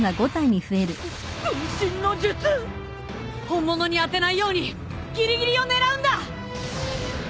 本物に当てないようにギリギリを狙うんだ！